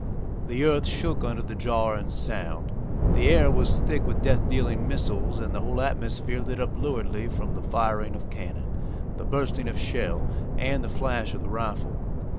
The earth shook under the jar and sound. The air was thick with death dealing missiles, and the whole atmosphere lit up luridly from the firing of cannon, the bursting of shell and the flash of the rifle.